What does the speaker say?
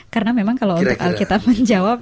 karena memang kalau kita menjawab